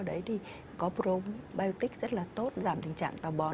đấy thì có probiotic rất là tốt giảm tình trạng tào bón